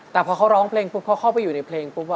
แต่พอเขาร้องเพลงปุ๊บเขาเข้าไปอยู่ในเพลงปุ๊บ